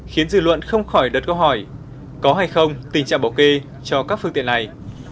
khiến dư luận không khỏi đất có hỏi có hay không tình trạng bỏ kê cho các phương tiện này